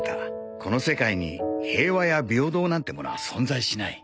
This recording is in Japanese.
この世界に平和や平等なんてものは存在しない。